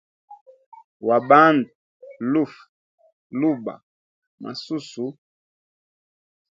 Wa bandu, lufu, luba, masusu.